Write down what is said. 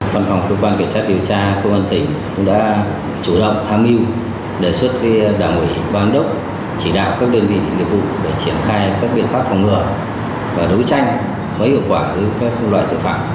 văn phòng công an tỉnh đã chủ động tham mưu đề xuất đảng ủy ban đốc chỉ đạo các đơn vị liệu vụ để triển khai các biện pháp phòng ngừa và đấu tranh mới hiệu quả với các loại tội phạm